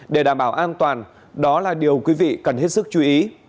để đảm bảo an toàn đó là điều quý vị cần hết sức chú ý